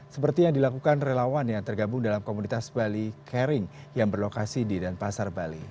seperti yang dilakukan relawan yang tergabung dalam komunitas bali caring yang berlokasi di denpasar bali